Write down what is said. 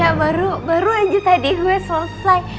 ya baru baru aja tadi gue selesai